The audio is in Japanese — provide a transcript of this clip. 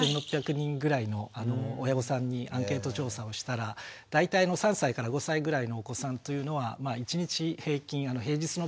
１，６００人ぐらいの親御さんにアンケート調査をしたら大体３歳５歳ぐらいのお子さんというのは１日平均平日の場合なんですが